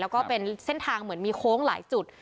แล้วก็เป็นเส้นทางเหมือนมีโค้งหลายจุด